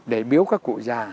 để biếu các cụ già